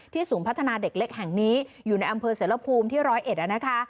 ศูนย์พัฒนาเด็กเล็กแห่งนี้อยู่ในอำเภอเสรภูมิที่๑๐๑นะคะ